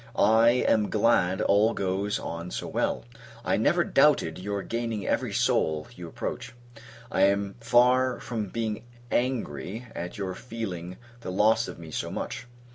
I am glad all goes on so well. I never doubted your gaining every soul you approach. I am far from being angry at your feeling the loss of me so much!